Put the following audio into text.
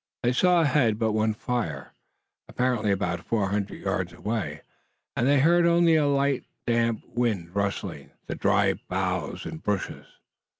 They saw ahead but one fire, apparently about four hundred yards away, and they heard only a light damp wind rustling the dry boughs and bushes.